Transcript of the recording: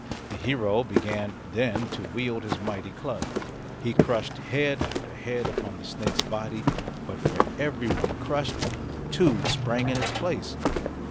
The hero began then to wield his mighty club. He crushed head after head upon the snake's body, but for every one crushed two sprang in its place.